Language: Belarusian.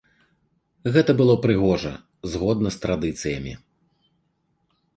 Гэта было прыгожа, згодна з традыцыямі.